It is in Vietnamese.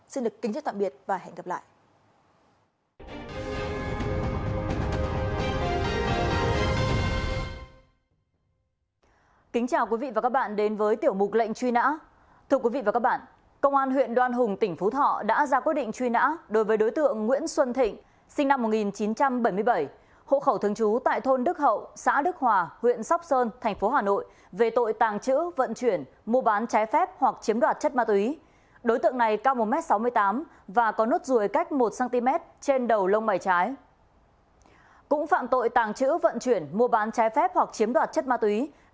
xin được kính chất tạm biệt và hẹn gặp lại